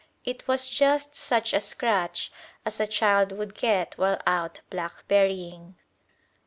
It was just such a scratch as a child would get while out blackberrying.